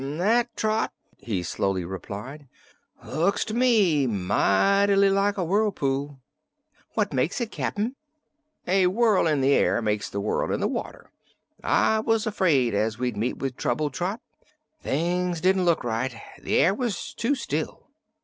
"That, Trot," he slowly replied, "looks to me mighty like a whirlpool." "What makes it, Cap'n?" "A whirl in the air makes the whirl in the water. I was afraid as we'd meet with trouble, Trot. Things didn't look right. The air was too still."